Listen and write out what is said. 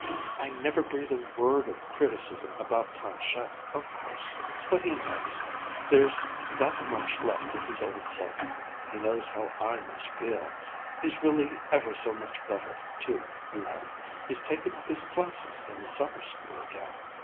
I never breathe a word of criticism about planchette, of course. But he knows. There's that much left of his old self. He knows how I must feel. He's really ever so much better too, you know. He's taken up his classes in the Summer School again.